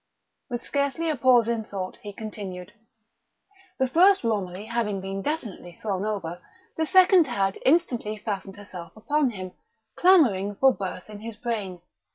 With scarcely a pause in thought he continued: The first Romilly having been definitely thrown over, the second had instantly fastened herself upon him, clamouring for birth in his brain.